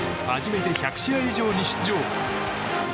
初めて１００試合以上に出場。